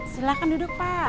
silakan duduk pak